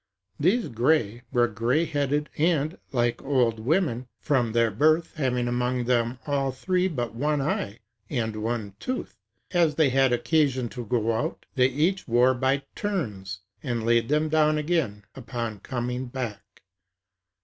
These Greæ were grayheaded, and like old women, from their birth, having among them all three but one eye, and one tooth, which, as they had occasion to go out, they each wore by turns, and laid them down again upon coming back.